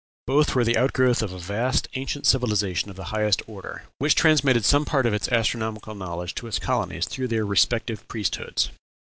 Both were the outgrowth of a vast, ancient civilization of the highest order, which transmitted some part of its astronomical knowledge to its colonies through their respective priesthoods.